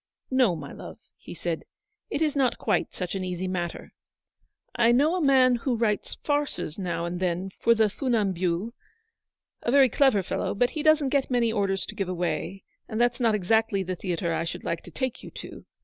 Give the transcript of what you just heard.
" No, my love," he said, " it's not quite such an easy matter. I know a man who writes farces now and then for the Funambules — a very clever fellow — but he doesn't get many orders to give away, and that's not exactly the theatre I should like to take you to.